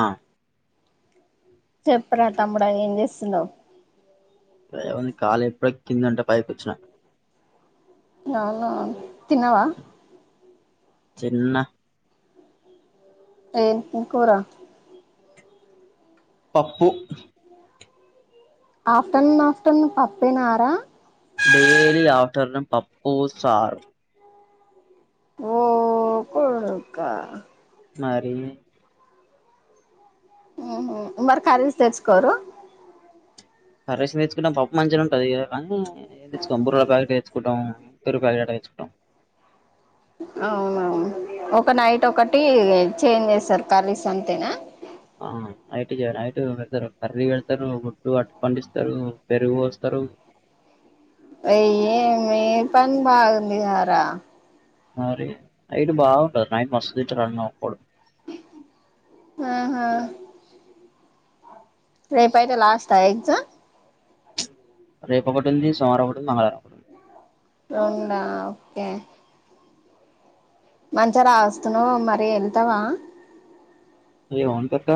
ఆ చెప్పు రా తమ్ముడా ఏం చేస్తున్నా ఇప్పుడే కాలు ఎప్పుడు వచ్చిదంటే పైకొచ్చిన అవునా తన్నావా చిన్న ట్రేన్ త కూూరా పప్పు ఆఫ్టర్నూన్ ఆఫ్టర్నూన్ పప్పేనర డైలీ ఆఫ్టర్నూన్ పప్పుూ చారు ఓ పోడుక్క మరి ఉహుమ్ మరి కర్రీస్ తెచ్చుకొరు కర్రిస్ తెచ్చుకున్న పప్పు మంచిగా ఉంటుంది ఇగా పం తెచ్చుకోం బుర్రల ప్యాకెట్ తెచ్చుకుంటాం పెరుగు పాకెట్ తెచ్చుకుంటాం అవును అవును ఒక నైట్ ఒకటి చేంజ్ చేసారు కర్రీస్ అంతేనా అవును నైట్ నైట్ వెడతారు కర్రీ వెళ్తారు గుడ్ అట్టు పండిస్తారు పెరుగు పోస్తారు అయ్యో మీ పని బాగుంది కదరా మరి నైట్ బవుటంది. నైట్ మస్త్ తింటరు అన్నం ఒక్కోడు అహా రేపుయితే లాస్టా ఎగ్జామ్స్ రేపు ఒకటి ఉంది సోమవారం ఒకటి ఉంది మంగళవారం ఒకటి ఉంది రెండు ఆ ఓకే మంచిగా రాస్తున్నవ్ మరి వెళ్తావా ఏమ్ వంట అక్క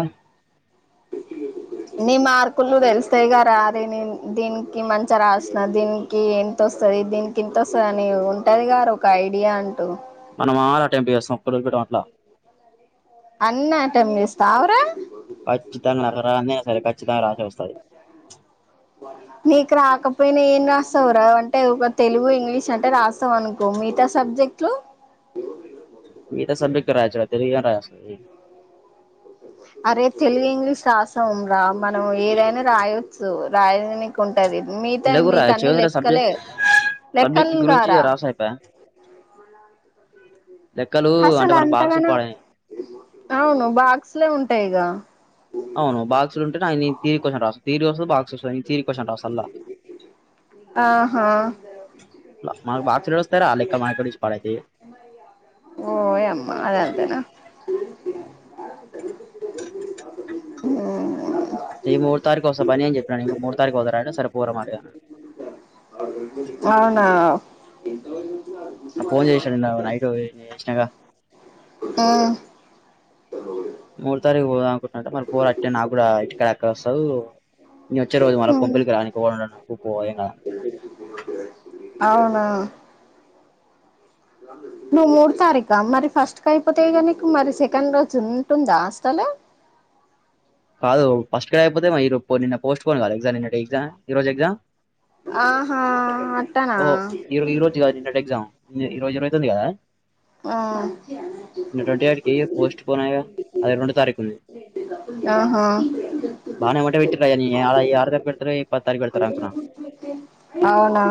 నీ మార్కులు తెలుస్తాయి గారా అది న దీనికి మంచిగా రాసిన దీనికి ఎంతొస్తుంది దీనికి ఇంత వస్తుంది అని ఉంటది గారా ఒక ఐడియా అంటూ మనం ఆరు అటెంప్ చేస్తాం ఒక్కటి కూడు వదిలి పెట్టం అట్లా అన్నీ అటమ్ చేస్తాఏవ్ రా కచ్చితంగా నాకు రానిదే వస్తాది కచ్చితంగా దాన్ని రాశ వస్తంది ఇ రాకపోయినా ఏం రాస్తావు రా అంటే ఒక తెలుగు ఇంగ్లీష్ అంటే రాస్తాం అనుకో మిగతా సబ్జెక్ట్లు మీ గత సబ్జెట్లు రాయచ్చు తెలుగు ఏమి రాయేస్తాది అరే తెలుగు ఇంగ్లీష్ రాసాం రా మనం ఏదైనా రాయొచ్చు రాయలనికుం ది మీగత ఇలా కూడా రాయొచ్చు మీకన్ని ఏముందిరా సబ్జెక్ట్ లెక్కలే సబ్జెక్ట్ లెక్కలు గురించి గారా రాసా అయిపాయే లెక్కలూ అంటే అసలు మన పాక్సులు అంతగానం పడైనాయ్ అవును బాక్స్ లో ఉంటాయిగా అవును బాక్సులు ఉంటేనె ఆయన్ నీ తీరి క్వశ్చన్ రాస్ తీరి వస్తది బాక్స్ వస్తది న తీరి క్వశ్చన్ రాస్ సల్లగా ఆహా మనకు బాక్సులు వస్తే రా లెక్క మా పాడైతాయ్ ఓయమ్మా అదంతేనా హుమ్ ఈ మూడు తారీఖు వస్తా బనేన్ చెప్పనేను మూడు తారీఖు పాతర అంటే సరే పొర మారు అన్నాడు హలో మ నాకు ఫోన్ [unintelligible] చేశాడు నిన్న నైట్ చేసినగా అ [inaudible] మూడ్ తారీక్ పోదామ్ మరి పోరు అట్టే నాకు కూడా ఇంటికడ ఎక్కడోస్తవ్ నేను వచ్చే రోజు మళ్ళ కొంపులికి రానికొకుండా ఉన్న అవునా నువ్వు మూడ్ తారీఖా మరి ఫస్ట్ కయిపోతాయి క నీకు మరి సెకండ్ రోజు ఉంటుందా అసలు కాదు ఫస్ట్ కాయ్ అయిపోతే ఈ రో నిన్న పోస్ట్పోన్ కాలె నిన్నటి ఎగ్జామ్ ఈ రోజు ఎగ్జామ్ ఆహా అట్టనా ఓ ఈ రో- ఈ రోజు కాదు నిన్నటి ఎగ్జామ్ ఈ రోజు ఇరవై తొమ్మిది కదా నిన్న ట్వంటీ ఎయిట్ కి పోస్ట్ పోన్ అయ్యా ఆ ఆ బానే వంట పెడ్ ఆలా యారోజు పెడతరో అవునా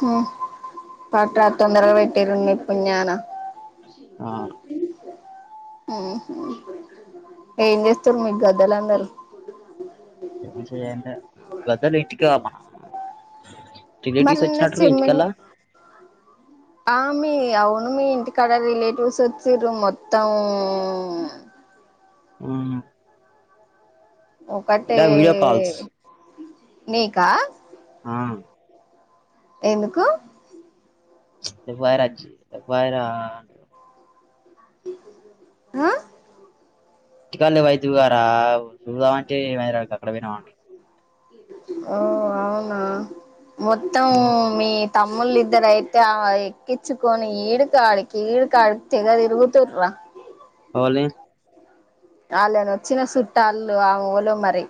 హా పట్రా తొందరగా పెట్టిరు నీ పుణ్యాన ఆ హుమ్ ఏం చేస్తుండ్రు మీ గద్దలందరూ మంచి ఎండ వదల్ ప్రత్యేక ఇంటికే మనం మరి నిన్న సిమెన్ ఆమె అవును ఇంటికాడ రిలేటివ్స్ వచ్చిరు మొత్తం హుమ్ ఒకటే కాల్స్ నీకా ఆ ఎందుకు ప్చ్ ఎఫైర్ వచ్చింది ఎఫైరా ఆ ఇంటికడ్నె పోయోతికదరా చూద్దామంటే [unintelligible] అక్కడ పోయినావంట ఓ అవునా మొత్తం అంటారు మీ తమ్ముళ్ళిద్దర అయితే ఎక్కించుకొని ఈడుకాడికి ఈడు కాడి తెగ తిరుగుతుర్రా ఎవలు అళను వచ్చిన సుట్టాలులో అల్లు ఎవలో మరి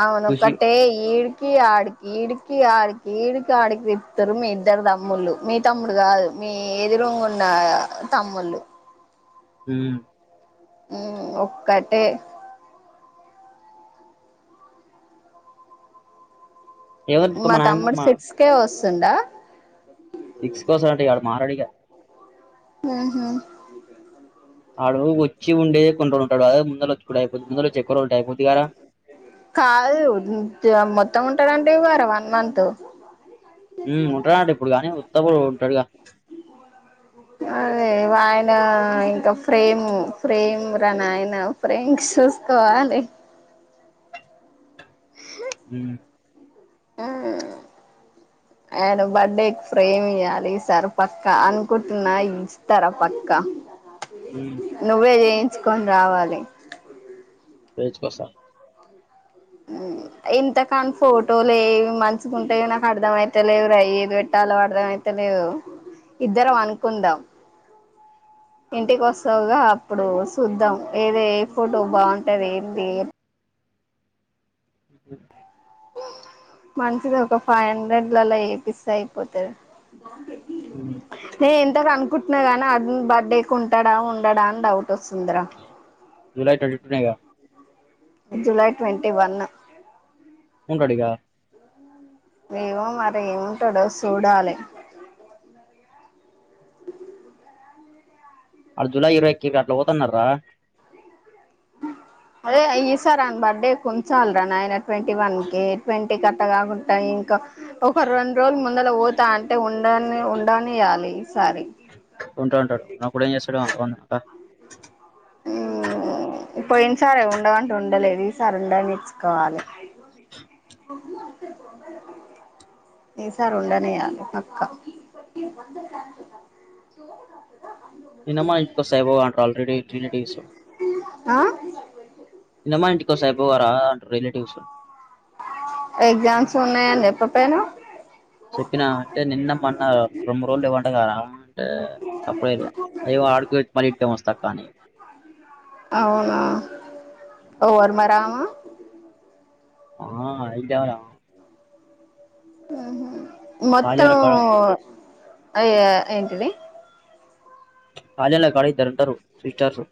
అవును ఖుషి ఒకట్టే ఈడ్ ఇకి ఆడికి ఇడికి ఆడికి ఇడికి ఆడికి తిప్తారు మీ ఇద్దరు తమ్ముళ్ళు మీ తమ్ముడు కాదు మీ ఎదురంగు ఉన్న తమ్ముళ్ళు హ్మ్ హ్మ్ ఒక్కటే ఎవరి తిప్ప మా నాయమ్మ తమ్ముడు సిక్స్ కే వస్ స్తుండా సిక్స్ కోసం అంటే ఇక ఆడు మారడుగా ఊహూ ఆడు వచ్చి ఉండే కొంటు ఉంటాడు అదే ముందల వచ్చ కాదు [unintelligible] మొత్తం ఉంటనంటివి గా రా వన్ మంత్ ఉంట అండి ఇప్పుడు గానీ ఉత్తప్పుడు ఉంటడుగా అదే ఆయన ఇంకా ఫ్రేమ్ ఫ్రేమ్ రా నాయన ఫ్రేమ్ కి చూసుకోవాలి హ్మ్ ఆయన బర్డేకి ఫ్రేమ్ ఇయాలి ఈ సార్ పక్కా అనుకుంటున్నా ఇస్తారా పక్కా ఉమ్ నువ్వే జెయ్ తెచ్చుకొని రావాలి వేజ్ కొస్తా ఇంతకని ఫోటోలు ఏవి మంచిగుంటయో నాకు అర్ధం అయిత లేవు రా ఏది పెట్టాలో అర్ధం అయితే లేవు ఇద్దరం అనుకుందాం ఇంటికి వస్తావుగా అప్పుడు చూద్దాం ఏద ఏ ఫోటో బాగుంటది ఏంది మంచిగ ఒక ఫైవ్ హండ్రెడ్ లలో ఏపిస్తే అయిపోతది ఉమ్ ఏ ఎంత కనుకు కుట్టిన గానీ అర్జున్ బర్త్డే కి ఉంటాడా ఉండడా అని డౌట్ వస్తుందరా జులై ట్వంటీ టూ నేగా జూలై ట్వంటీ వన్ ఉంటాడిగా ఏమో మరి ఏం ఉంటడో సూడాలి ఆడ్ జూలై ఇరవై కి గట్ల పోతున్నారా అదే అయి ఈ సార్ అన్ బర్డే కుంచాల్రా నాయన ట్వెంటీ వన్ కి ట్వన్ కట్టగాకుంటయి ఇంకా ఒక రెండు రోజులు ముందల పోతా, అంటే ఉండని ఉండనియాలి ఈ సారి. ఉంటా ఉంటాడు అప్పుడు ఏం చేస్తాడు వన్ [unintelligible] పోయిన సరే ఉండవంటే ఉండలేదు ఈ సారి ఉండనిచ్చుకోవాలి ఈ సారు ఉండనీయాలి పక్క చిన్నమ్మ ఇంటికో వస్తే అయిపోవు కదా అంట ఆల్రెడీ త్రీ డీస్ ఆ చిన్నమ్మ ఇంటికోసాబ వారా అంటారు రిలేటివ్స్ ఎగ్జామ్స్ ఉన్నాయని చెప్పపోయిన చెప్పినా అంటే నిన్న మన్న రెండు రోజులు లేవట కదా అంటే సప్పుడ చేయలే ఆడుకు వచి మళ్ళీ ఇటికేం వస్తా అక్క అని అవునా ఎవరు మరే ఆమె ఆ [unintelligible] హ్మ్ హూ మొత్తం కాలేజీల కాడ అయ ఏంటిది రాజన్న కాడ ఇద్దరు ఉంటారు సిస్టర్స్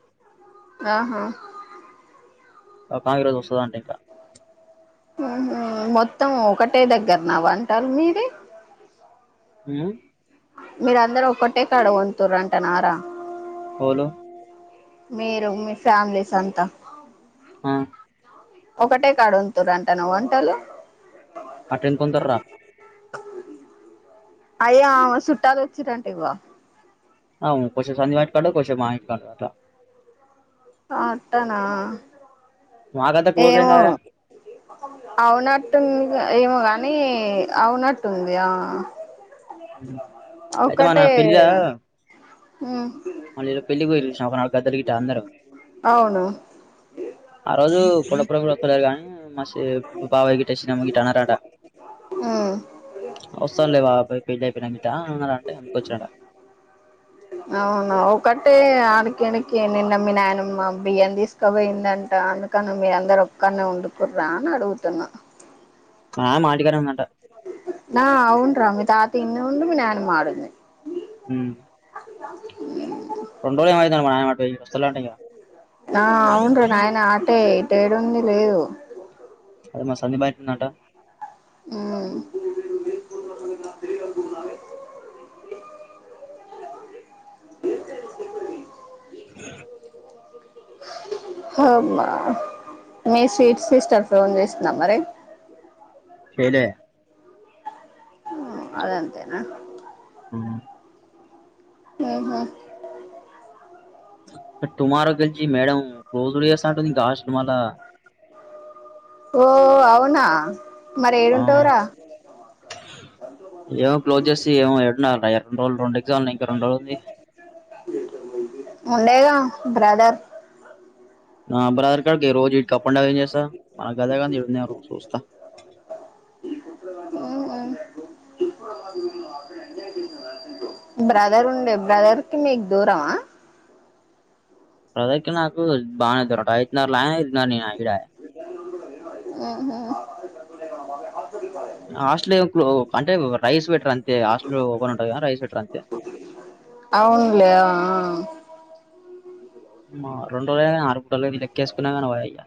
ఆహా ఒక ఆమె ఈ రోజు వస్తాదంట ఇట హు హు మొత్తం ఒకటే దగ్గర నా వంటలు మీది హూ మ్ మీర అందరూ ఒక్కటే కాడ వంతుర అంట నా రా ఓలు మీరు మీ ఫ్యామిలీస్ అంతా ఆ ఒకటే కాడు వండు తుర అంటా నా వంటలు అట్టేం కొండూతార్ రా అయ్యా ఆమె చుట్టాలు వచ్చిరంటే ఇవ ఆవు కొద్దిసేపు సందీప్ ఇంటికాడ కొసేపు మా ఇంటి కాడ అట్ట ఆ అట్టనా మాకంత క్లోజ్ ఏం ఏమో కాదురా అవునట్టువుంది గా ఏమో కాగాని అవునట్టు ఉంది ఆ అయితే మన ఒకటే పెళ్ళిల హు మ్ మళ్ళీ ఈ రోజు పెళ్లిి పోయిరూ చూసినవా ఒకనాడు గద్దలు గట్ట అందరూ అవును ఆ రోజు ఇప్పు డ కూడా వస్తలేరు కానీ మ బాబాయ గిట్ట చిన్నమ్మ గిట్ట అనారంట ఉమ్ వస్తాం లే బాబాయి బిడ్డ పెళ్ళి అయిపోయినా గిట అన్నారంటే అందుకొచ్చాంట అవును ఒకటే ఆడు కి నీకి మీ నాయనమ్మ బియ్యం తీసుకుపోయిందంట అందుకని మీ అందరూ కన్న ఉండుకుడు్ర అడుగుతున్నా ఆ మా ఇంటి కాడ నీ ఉందట నా అవున్ రా మీ తాత ఇన్నే ఉండు మీ నానమ్మ మాడుంది హు మ్ ఉ రెండో ఏమో మా నాయన [unintelligible] ఇగ ఆ అవునురా నాయన ఆటే ట్టేడుంది లేదు అదే మా సంధీ బయట ఉందంట మ్ అమా మీే స్వీట్ సిస్టర్ ఫోన్ చేస్తున్నాం మరి చేయ్ లే అదంతేనా హ్మ్ ఉహుం తుమారోగల్జ మేడ రోజడుసంటంది గస్ తులా ఓ అవునా మరి ఆ ఏడుంటావురా ఏమ క్లోజ్ చేసి ఏ ఎడురండు రోజులు రెండు ఎగ్జా ఇంకా రెండు రోజులు ఉంది ఉండేగా బ్రదర్ బ్రాదర్ కగ రోజ ఇ అప్పంసా మన గదగా ఇడు సూస్త మ్ మ్ బ్రదర్ ఉండే బ్రదర్ కి మీకు దూరమా ప్రదాకి నాకు బాగానే యిదున్నారు దు ఐడ ఉహుం హాస్టల్ అంటే రైస్ వెటర్ అంతే హాస్టల్ ఓపెన్ ఉంటంది కదా రైస్ వెటర్ అంతే అవునులే ఆ రండు రోజులునీ నాలు మూడు రోజులుగా లెక్కేసుకున్నా కానీ అయ్యా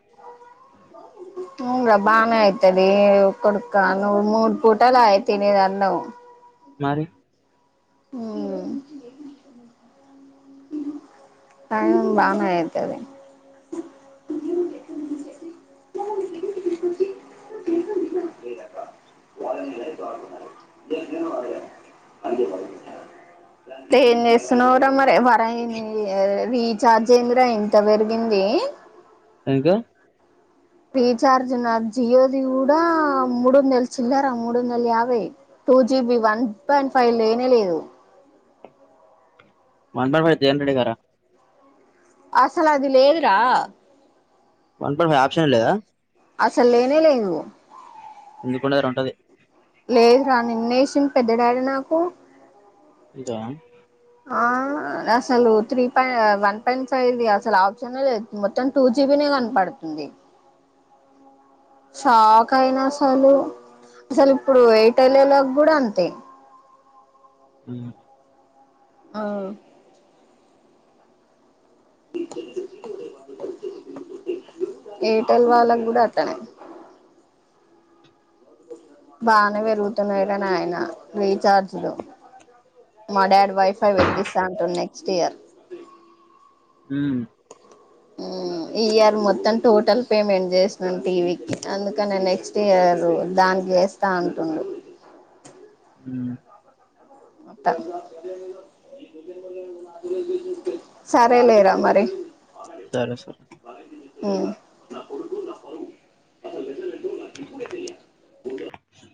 ఉ రా బానే అయితది కొడుక నూ మూర్ పూటలో అయి తినేది అనం మరి హ్మ్ హ్మ్ టై బాగానే అవుతుది తన్నిస్తు నుూర మరి కా న రీచ్ రాజేంద్ర ఇంత పెరిగింది ఎంతే రీచార్జ్ ఉన్నారు జియోది కూడా మూడుంద నెల చిల్లరాా మూడు వ నెలు యాభై two GB one point five లేనే లేదు మనబ పడితే ఎంట రెడ గార అసలు అది లేదురా వన్ పాయింట్ ఫైవ్ ఆప్షన్ లేదా అసలు లేనే లేను [unintelligible] అటు ఉంటది లేదు రా నిన్న ఏసిండు పెద్దడాడీ నాకు దా ఆ అసలు త్రీ పా వన్ పాయింట్ ఫైది అసలు ఆప్షనే లేదు మొత్తం టూ జీబీ నే కనపడుతుంది షాక్ అయినా అసలు అసలు ఇప్పుడు ఎయిర్టెల్ అలోక్ కూడా అంతే హ్మ్ ఆ ఎయిర్టెల్ వాళ్ళ కూడా అట్లనే బానే పెరుగుతన్నాయి రా నాయనా రీచార్జ్లు మా డాడ్ వైఫై పెట్టిస్తా అంటు నెక్స్ట్ ఇయర్ అమ్ హ్మ్ ఈ ఇయర్ మొత్తం టోటల్ పేమెంట్ చేసాను టీవీకి అందుకని నెక్స్ట్ ఇయర్ దానికి చేస్తా అంటున్నా హ్మ్ సరే లేరా మరి సరే సరే హ్మ్ పోవు